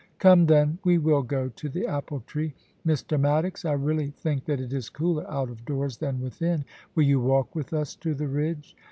Come, then, we will go to the apple tree. Mr. Maddox, I really think that it is cooler out of doors than within. Will you walk with us to the ridge